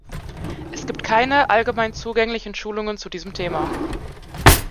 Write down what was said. Es gibt keine allgemein zugänglichen Schulungen zu diesem Thema.